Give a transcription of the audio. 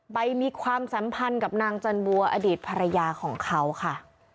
มีความสัมพันธ์กับนางจันบัวอดีตภรรยาของเขาค่ะ